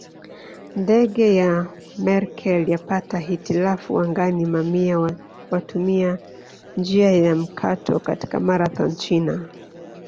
Ndege ya Merkel yapata hitilafu angani Mamia watumia njia ya mkato katika Marathon China